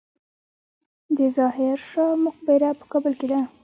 د ظاهر شاه مقبره په کابل کې ده